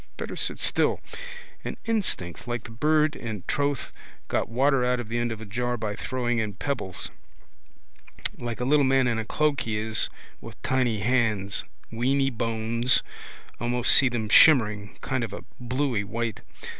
Better sit still. All instinct like the bird in drouth got water out of the end of a jar by throwing in pebbles. Like a little man in a cloak he is with tiny hands. Weeny bones. Almost see them shimmering, kind of a bluey white.